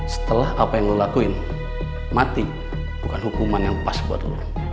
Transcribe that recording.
setelah apa yang lo lakuin mati bukan hukuman yang pas buat lo